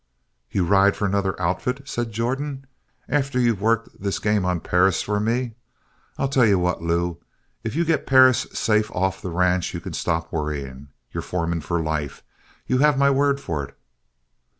"You ride for another outfit?" said Jordan. "And after you've worked this game on Perris for me? I'll tell you what, Lew, if you get Perris safe off the ranch you can stop worrying. You're foreman for life! You have my word for it."